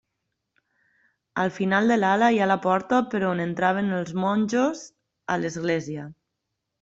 Al final de l'ala hi ha la porta per on entraven els monjos a l'església.